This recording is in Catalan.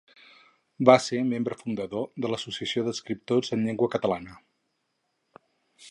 Va ser membre fundador de l'Associació d'Escriptors en Llengua Catalana.